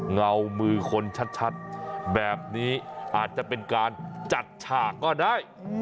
เงามือคนชัดแบบนี้อาจจะเป็นการจัดฉากก็ได้